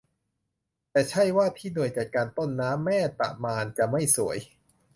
แต่ใช่ว่าที่หน่วยจัดการต้นน้ำแม่ตะมานจะไม่สวย